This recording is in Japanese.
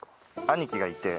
兄貴がいて。